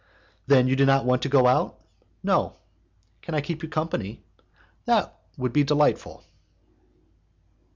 "Then you do not want to go out?" "No." "Can I keep you company?" "That would be delightful."